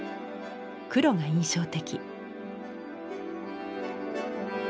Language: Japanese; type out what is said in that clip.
黒が印象的。